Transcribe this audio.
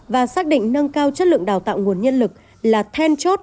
và xác định nâng cao chất lượng đào tạo nguồn nhân lực là then chốt